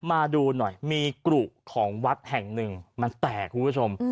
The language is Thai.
มาดูหน่อยมีกรุของวัดแห่งหนึ่งมันแตกคุณผู้ชม